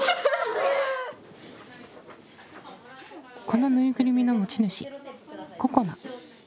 このぬいぐるみの持ち主ここな。